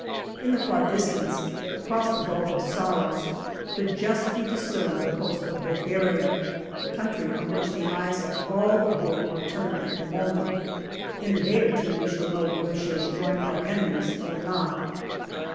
In the far distance, across the Gulf of Saros could just be discerned the coast of Bulgaria, the country on which the eyes of all the world are turned at the moment. In a day or two we shall know whether she has joined our enemies or not.